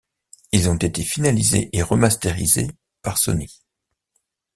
Ils ont été finalisés et remasterisés par Sony.